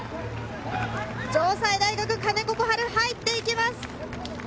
城西大学、兼子心晴、入っていきます。